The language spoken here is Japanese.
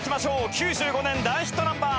９５年大ヒットナンバー